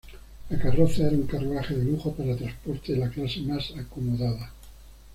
La carroza era un carruaje de lujo para transporte de la clase más acomodada.